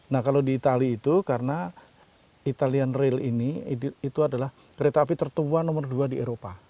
nah kalau di itali itu karena italian rail ini itu adalah kereta api tertua nomor dua di eropa